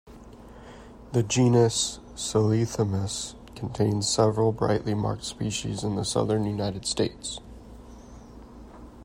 The genus "Celithemis" contains several brightly marked species in the southern United States.